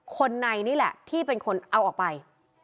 คนในนี่แหละที่เป็นคนเอาออกไป